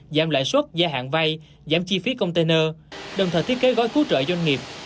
giảm lãi suất gia hạn vay giảm chi phí container đồng thời thiết kế gói cứu trợ doanh nghiệp